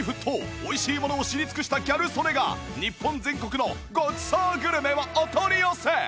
美味しいものを知り尽くしたギャル曽根が日本全国のごちそうグルメをお取り寄せ！